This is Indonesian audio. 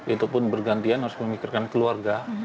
itu pun bergantian harus memikirkan keluarga